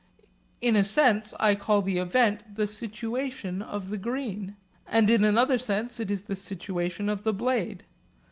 In a sense I call the event the situation of the green, and in another sense it is the situation of the blade.